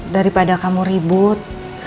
daripada kamu ribut